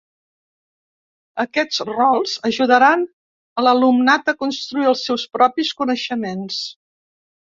Aquests rols ajudaran a l'alumnat a construir els seus propis coneixements.